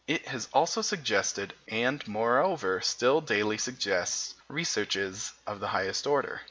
It has also suggested and, moreover, still daily suggests researches of the highest order.